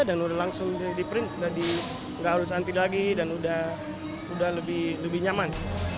dan udah langsung di print jadi enggak harus anti lagi dan udah lebih nyaman